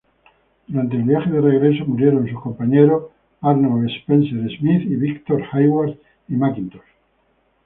Durante el viaje de regreso murieron sus compañeros Arnold Spencer-Smith, Víctor Hayward y Mackintosh.